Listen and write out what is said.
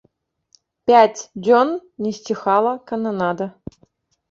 Пяць дзён не сціхала кананада.